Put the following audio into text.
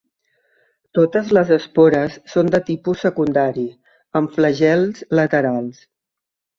Totes les espores són de tipus secundari, amb flagels laterals.